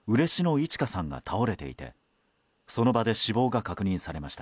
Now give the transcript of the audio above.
いち花さんが倒れていてその場で死亡が確認されました。